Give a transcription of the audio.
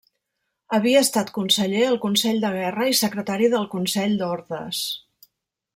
Havia estat conseller al Consell de Guerra i secretari del Consell d'Ordes.